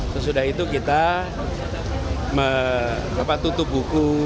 sesudah itu kita tutup buku